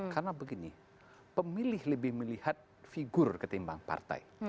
karena begini pemilih lebih melihat figur ketimbang partai